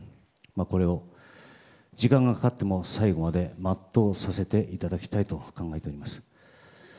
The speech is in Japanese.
これを時間がかかっても最後まで全うさせていただきたいと考えております。